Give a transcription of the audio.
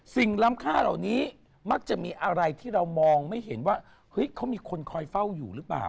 ล้ำค่าเหล่านี้มักจะมีอะไรที่เรามองไม่เห็นว่าเฮ้ยเขามีคนคอยเฝ้าอยู่หรือเปล่า